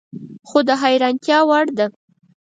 خو د حیرانتیا وړ ده